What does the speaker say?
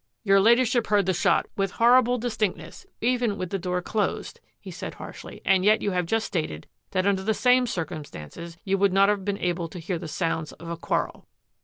" Your Ladyship heard the shot with * horrible distinctness ' even with the door closed," he said harshly, " and yet you have just stated that under the same circumstances you would not have been able to hear the sounds of a quarrel."